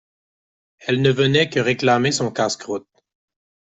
Elle ne venait que réclamer son casse-croûte.